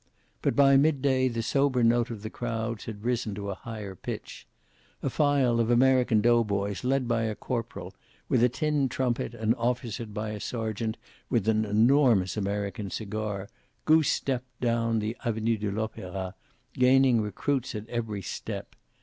But by mid day the sober note of the crowds had risen to a higher pitch. A file of American doughboys, led by a corporal with a tin trumpet and officered by a sergeant with an enormous American cigar, goose stepped down the Avenue de l'Opera, gaining recruits at every step.